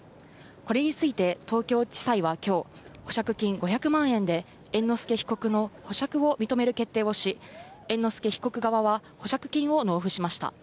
これについて、東京地裁はきょう、保釈金５００万円で、猿之助被告の保釈を認める決定をし、猿之助被告側は保釈金を納付しました。